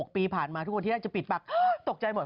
ปีผ่านมาทุกคนที่แรกจะปิดปากตกใจหมด